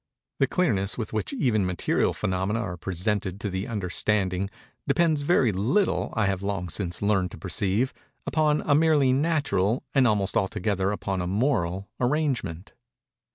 The clearness with which even material phænomena are presented to the understanding, depends very little, I have long since learned to perceive, upon a merely natural, and almost altogether upon a moral, arrangement.